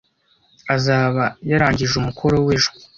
Azaba yarangije umukoro we ejo.